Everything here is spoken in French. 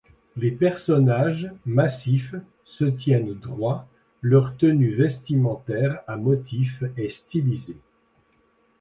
Les personnages, massifs, se tiennent droit, leur tenue vestimentaire à motifs est stylisée.